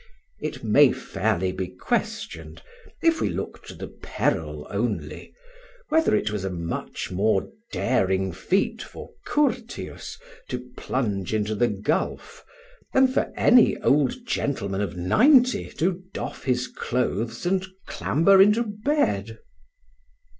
It may fairly be questioned (if we look to the peril only) whether it was a much more daring feat for Curtius to plunge into the gulf, than for any old gentleman of ninety to doff his clothes and clamber into bed.